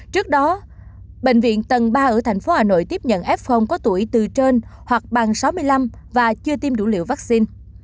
trước đó bệnh viện tầng ba ở thành phố hà nội tiếp nhận fong có tuổi từ trên hoặc bằng sáu mươi năm và chưa tiêm đủ liều vaccine